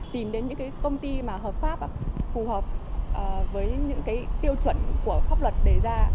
tìm đến những công ty mà hợp pháp phù hợp với những cái tiêu chuẩn của pháp luật đề ra